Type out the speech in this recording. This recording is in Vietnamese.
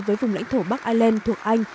với vùng lãnh thổ bắc ireland thuộc anh